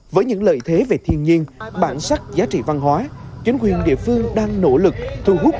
với những lợi thế về thiên nhiên bản sắc giá trị văn hóa chính quyền địa phương đang nỗ lực thu hút